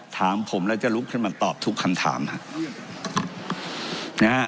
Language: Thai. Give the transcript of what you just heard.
ถามผมแล้วจะลุกขึ้นมาตอบทุกคำถามนะครับ